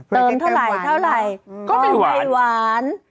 เติมเท่าไหร่ก็ไม่วาน